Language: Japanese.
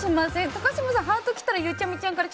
高嶋さん、ハート来たらゆうちゃみちゃんから。